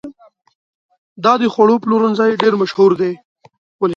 دا د خوړو پلورنځی ډېر مشهور دی.